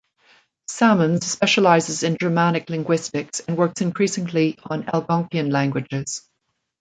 Salmons specializes in Germanic linguistics and works increasingly on Algonquian languages.